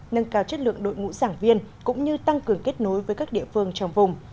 nâng cao chất lượng đội ngũ giảng viên cũng như tăng cường kết nối với các địa phương trong vùng